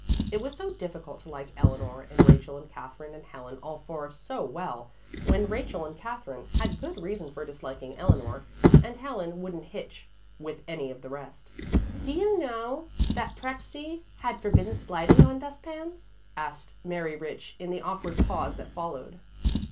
It was so difficult to like Eleanor and Rachel and Katherine and Helen, all four, so well, when Rachel and Katherine had good reason for disliking Eleanor, and Helen wouldn't hitch with any of the rest. "Do you know that Prexy had forbidden sliding on dust pans?" asked Mary Rich in the awkward pause that followed.